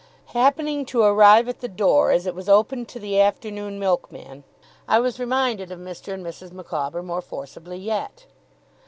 Happening to arrive at the door as it was opened to the afternoon milkman, I was reminded of Mr. and Mrs. Micawber more forcibly yet.